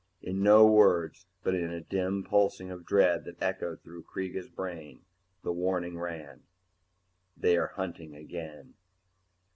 In no words, but in a dim pulsing of dread which echoed through Kreega's brain, the warning ran _They are hunting again.